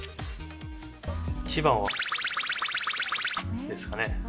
一番は×××ですかね。